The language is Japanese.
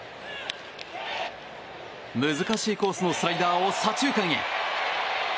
難しいコースのスライダーを左中間へ。